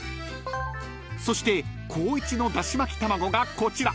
［そして光一のだし巻き玉子がこちら］